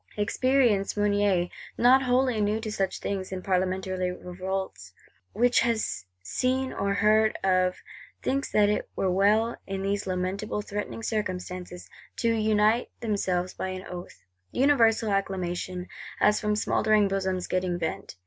Experienced Mounier, not wholly new to such things, in Parlementary revolts, which he has seen or heard of, thinks that it were well, in these lamentable threatening circumstances, to unite themselves by an Oath.—Universal acclamation, as from smouldering bosoms getting vent!